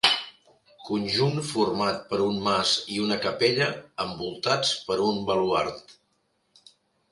Conjunt format per un mas i una capella envoltats per un baluard.